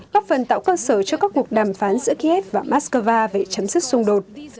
góp phần tạo cơ sở cho các cuộc đàm phán giữa kiev và moscow về chấm dứt xung đột